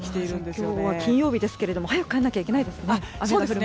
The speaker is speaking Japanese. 今日は金曜日ですけど早く帰らないとですね。